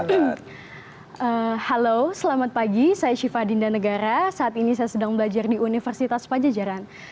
halo selamat pagi saya siva dinda negara saat ini saya sedang belajar di universitas pajajaran